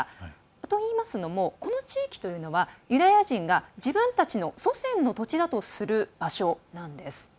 といいますのもこの地域というのはユダヤ人が自分たちの祖先の土地だとする場所なんです。